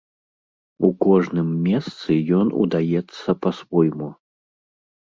У кожным месцы ён удаецца па-свойму.